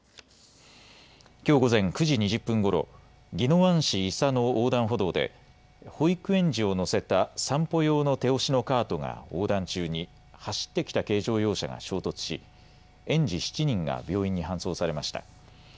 きょう午前９時２０分ごろ宜野湾市伊佐の横断歩道で保育園児を乗せた散歩用の手押しのカートが横断中に走ってきた軽乗用車が衝突し園児７人が病院に搬送されました。